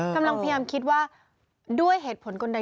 กำลังพยายามคิดว่าด้วยเหตุผลคนใด